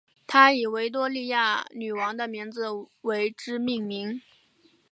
他以维多利亚女王的名字为之命名。